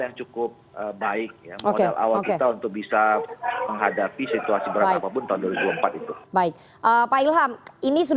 ini sudah diketok ketokan